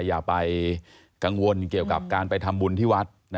อย่าไปกังวลเกี่ยวกับการไปทำบุญที่วัด